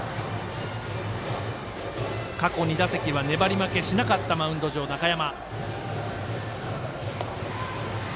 過去２打席は粘り負けしなかったマウンド上、中山。